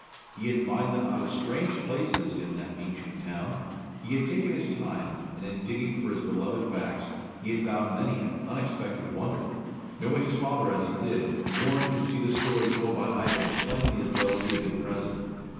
He had mined them out of strange places in that ancient town. He had taken his time and in digging for his beloved facts, he had found many an unexpected wonder. Knowing his father as he did, Warren could see the story told by Ivan as plainly as though he had been present.